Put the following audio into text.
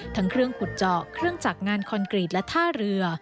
ทั้งเครื่องขุดเจาะเครื่องจักรงานคอนกรีตและท่าเรือ